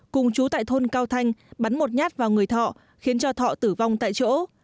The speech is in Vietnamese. cùng chú tại thôn cao thanh bắn một nhát vào người thọ khiến cho thọ tử vong tại chỗ